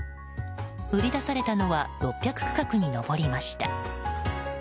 売り出されたのは６００区画に上りました。